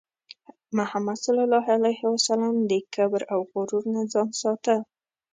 محمد صلى الله عليه وسلم د کبر او غرور نه ځان ساته.